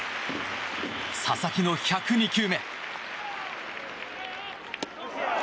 佐々木の１０２球目。